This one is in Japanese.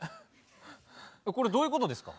これどういうことですか？